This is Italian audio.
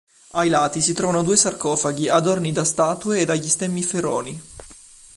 Ai lati si trovano due sarcofagi adorni da statue e dagli stemmi Feroni.